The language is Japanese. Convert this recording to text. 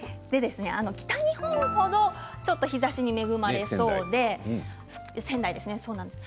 北日本ほど日ざしに恵まれそうで仙台ですね。